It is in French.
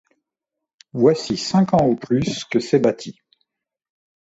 Voici cinq ans au plus que c’est bâti...